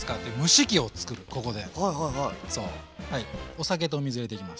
お酒とお水入れていきます。